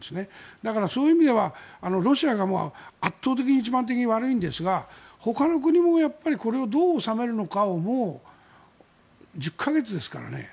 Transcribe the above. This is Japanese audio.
だからそういう意味ではロシアが圧倒的に一番的に悪いんですがほかの国もこれをどう収めるのかをもう１０か月ですからね。